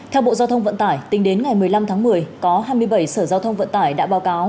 theo bộ giao thông vận tải tính đến ngày một mươi năm tháng một mươi có hai mươi bảy sở giao thông vận tải đã báo cáo